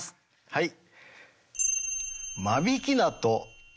はい。